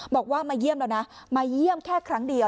บอกว่ามาเยี่ยมแล้วนะมาเยี่ยมแค่ครั้งเดียว